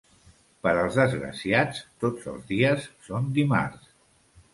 Per als desgraciats tots els dies són dimarts.